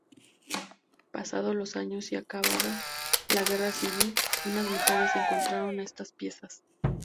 Pasados los años y acabada la Guerra Civil, unas mujeres encontraron estas piezas.